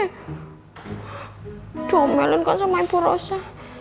udah melen kan sama ibu rosa